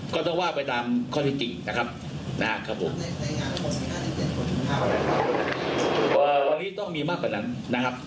ก็ต้องว่าไปตามข้อที่จริงนะครับนะครับผมวันนี้ต้องมีมากกว่านั้นนะครับ